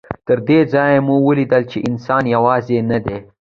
تر دې ځایه مو ولیدل چې انسان یوازې نه دی.